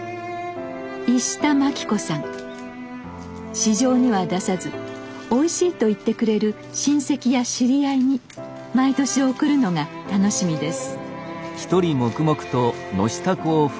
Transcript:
市場には出さずおいしいと言ってくれる親戚や知り合いに毎年送るのが楽しみです。